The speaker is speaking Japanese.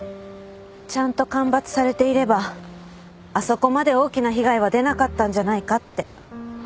ちゃんと間伐されていればあそこまで大きな被害は出なかったんじゃないかって。